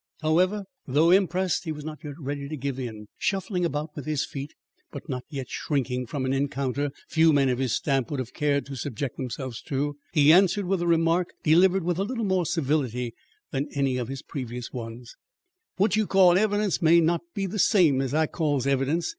However, though impressed, he was not yet ready to give in. Shuffling about with his feet but not yet shrinking from an encounter few men of his stamp would have cared to subject themselves to, he answered with a remark delivered with a little more civility than any of his previous ones: "What you call evidence may not be the same as I calls evidence.